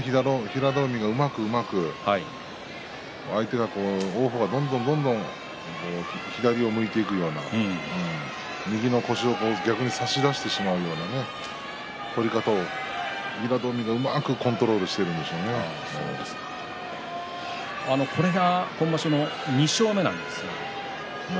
平戸海がうまく相手が、王鵬がどんどん左を向いていくような右を逆に差し出すような取り方を平戸海がうまくコントロールこれが今場所の２勝目です